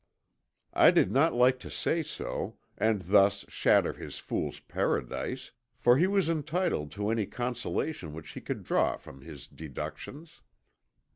I did not like to say so, and thus shatter his fool's paradise, for he was entitled to any consolation which he could draw from his deductions.